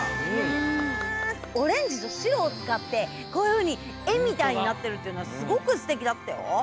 オレンジとしろをつかってこういうふうにえみたいになってるっていうのがすごくすてきだったよ。